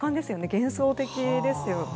幻想的ですよね。